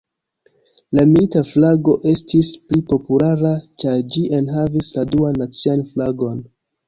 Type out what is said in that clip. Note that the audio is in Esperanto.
La Milita Flago estis pli populara, ĉar ĝi enhavis la Duan Nacian Flagon.